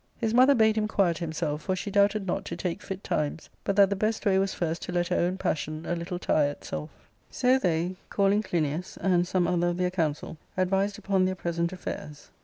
His mother bade him quiet himself, for she doubted not to take fit times ; but that the best way was first to let her own passion a little tire itself. So they calling Clinias, and some other of their counsel, advised upon their present affairs.